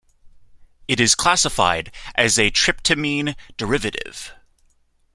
It is classified as a tryptamine derivative.